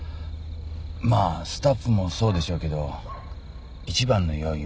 まあスタッフもそうでしょうけど一番の要因はチェックシステムです。